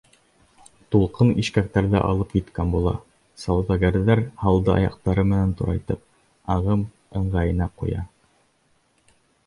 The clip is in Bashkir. Тулҡын ишкәктәрҙе алып киткән була, сауҙагәрҙәр һалды аяҡтары менән турайтып, ағым ыңғайына ҡуя.